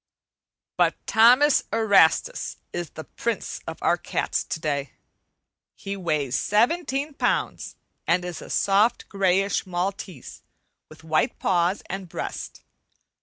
But Thomas Erastus is the prince of our cats to day. He weighs seventeen pounds, and is a soft, grayish maltese with white paws and breast.